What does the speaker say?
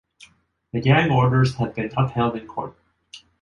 The gag orders have been upheld in court.